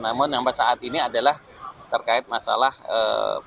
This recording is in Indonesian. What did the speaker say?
namun sampai saat ini adalah terkait masalah eee